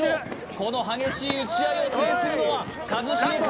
この激しい打ち合いを制するのは一茂か